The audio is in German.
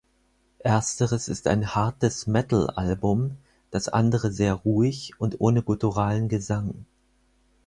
Ersteres ist ein hartes Metal-Album, das andere sehr ruhig und ohne gutturalen Gesang.